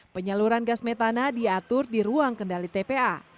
penyaluran gas metana diatur di ruang kendali tpa